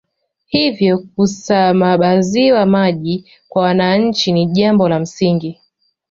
Hivyo kusamabaziwa maji kwa wananchi ni jambo la msingi